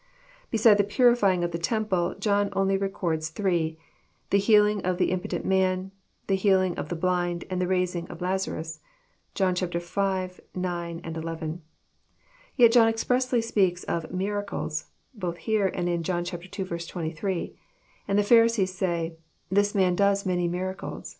Beside the purifying of the temple, John only records three : the healing of the impotent man, the healing of the blind, and the raising of Lazarus. (John v., ix., xi.) Yet John expressly speaks of miracles, (both here, and in John ii. 23,) and the Pharisees say, This Man doeth many miracles."